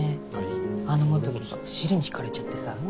あの基樹が尻に敷かれちゃってさ。